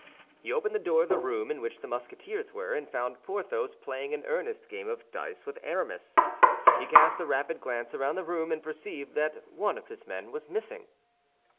He opened the door of the room in which the Musketeers were, and found Porthos playing an earnest game of dice with Aramis. He cast a rapid glance around the room, and perceived that one of his men was missing.